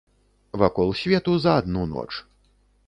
Вакол свету за адну ноч.